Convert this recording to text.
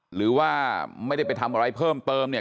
หรือว่าไม่ได้ไปทำอะไรเพิ่มเติมเนี่ย